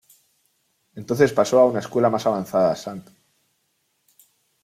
Entonces pasó a una escuela más avanzada, St.